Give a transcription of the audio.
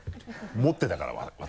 持ってたから私。